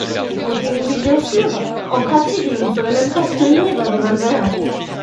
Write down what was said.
En théorie bien sûr, en pratique je ne saurais même pas tenir un revolver!